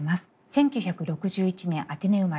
１９６１年アテネ生まれ。